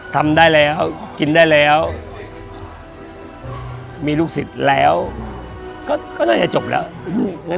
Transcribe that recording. ทำได้แล้วกินได้แล้วมีลูกศิษย์แล้วก็ก็น่าจะจบแล้วอืม